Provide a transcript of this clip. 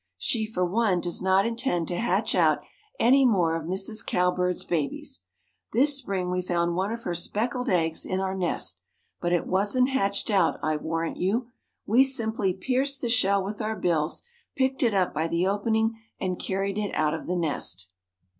She, for one, does not intend to hatch out any more of Mrs. Cowbird's babies. This spring we found one of her speckled eggs in our nest, but it wasn't hatched out, I warrant you. We simply pierced the shell with our bills, picked it up by the opening, and carried it out of the nest."